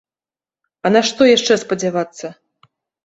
А на што яшчэ спадзявацца?